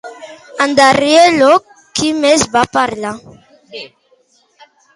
En darrer lloc, qui més en va parlar?